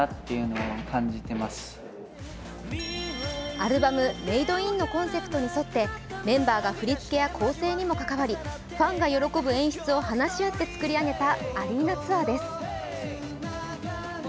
アルバム「Ｍａｄｅｉｎ」のコンセプトに沿って、メンバーが振り付けや構成にもかかわりファンが喜ぶ演出を話し合って作り上げたアリーナツアーです。